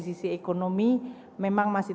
sisi ekonomi memang masih